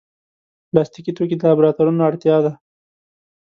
پلاستيکي توکي د لابراتوارونو اړتیا ده.